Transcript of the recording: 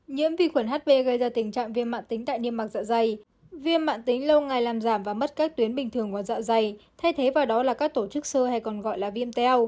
nhiễm vi khuẩn hp gây ra tình trạng viêm mạng tính tại niêm mạng dọa dày viêm mạng tính lâu ngày làm giảm và mất các tuyến bình thường của dọa dày thay thế vào đó là các tổ chức sơ hay còn gọi là viêm teo